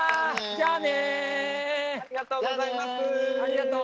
じゃあね！